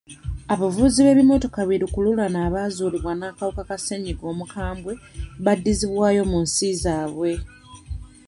Abavuzi b'ebimmotoka bi lukululana abaazuulibwa n'akawuka ka ssennyiga omukambwe baddizibwayo mu nsi zaabwe.